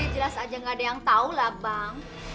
ya jelas saja nggak ada yang tahu lah bang